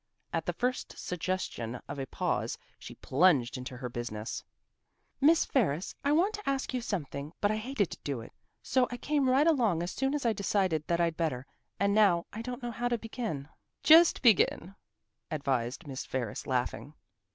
At the first suggestion of a pause she plunged into her business. "Miss Ferris, I want to ask you something, but I hated to do it, so I came right along as soon as I decided that I'd better, and now I don't know how to begin." "Just begin," advised Miss Ferris, laughing.